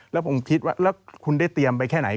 แล้วผมคิดว่าแล้วคุณได้เตรียมไปแค่ไหน